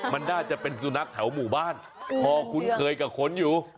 มันน่าจะเป็นสุนัขแถวหมู่บ้านพอคุ้นเคยกับคนอยู่